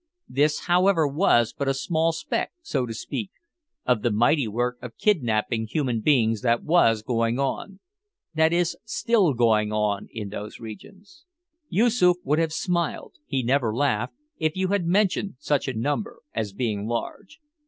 This however was but a small speck, so to speak, of the mighty work of kidnapping human beings that was going on that is still going on in those regions. Yoosoof would have smiled he never laughed if you had mentioned such a number as being large.